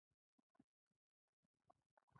زه ستا مرستې ته اړتیا لرم